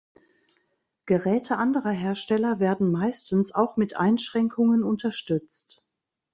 Geräte anderer Hersteller werden meistens auch mit Einschränkungen unterstützt.